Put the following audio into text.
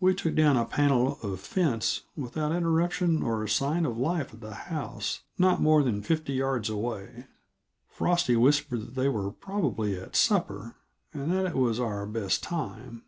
We took down a panel of fence without interruption or sign of life at the house, not more than fifty yards away; Frosty whispered that they were probably at supper, and that it was our best time.